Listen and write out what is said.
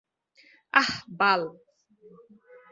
আঃ, বাল।